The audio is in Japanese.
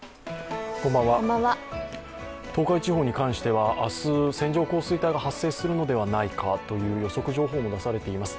東海地方に関しては明日、線状降水帯が発生するのではないかという予測情報も出されています。